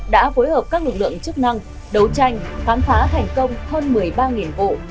đã phối hợp các lực lượng chức năng đấu tranh khám phá thành công hơn một mươi ba vụ